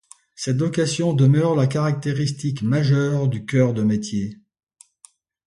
Cette vocation demeure la caractéristique majeure du cœur de métier.